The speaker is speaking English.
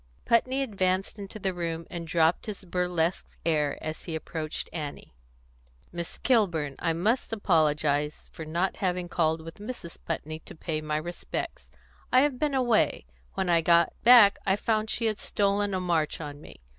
Putney advanced into the room, and dropped his burlesque air as he approached Annie. "Miss Kilburn, I must apologise for not having called with Mrs. Putney to pay my respects. I have been away; when I got back I found she had stolen a march on me.